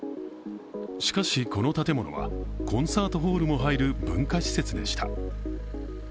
しかし、この建物はコンサートホールも入る文化施設でした。